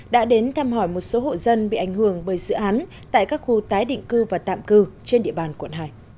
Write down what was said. đã đến thăm hỏi một số hộ dân bị ảnh hưởng bởi dự án tại các khu tái định cư và tạm cư trên địa bàn quận hai